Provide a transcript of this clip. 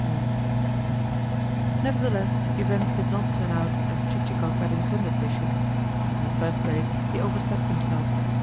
CHAPTER XI Nevertheless events did not turn out as Chichikov had intended they should. In the first place, he overslept himself.